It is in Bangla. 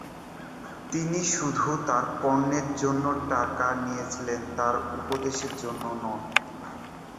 তিনি শুধু তার পণ্যের জন্য টাকা নিয়েছিলেন, তার উপদেশের জন্য নয়।